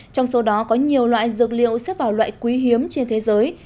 trong số đó có nhiều loại dược liệu xếp vào loại quý hiếm trên thế giới